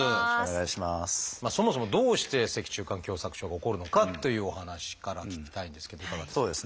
そもそもどうして脊柱管狭窄症が起こるのかっていうお話から聞きたいんですけどいかがですか？